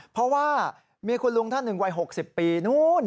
เพราะว่ามีคุณลุงท่านหนึ่งวัย๖๐ปีนู้น